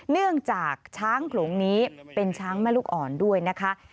เนื่องจากช้างโขลงนี้เป็นช้างแม่ลูกอ่อนด้วยนะคะ